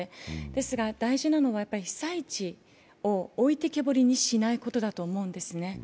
ですが、大事なのは、被災地を置いてきぼりにしないことだと思うんですね。